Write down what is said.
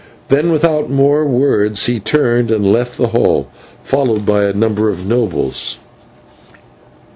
Then, without more words, he turned and left the hall, followed by a number of the nobles.